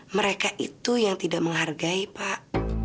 mereka itu yang tidak menghargai pak